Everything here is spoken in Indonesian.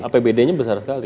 apbd nya besar sekali